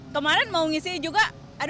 kemarin mau ngisi juga